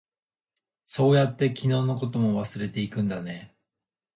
そうやって、昨日のことも忘れていくんだね。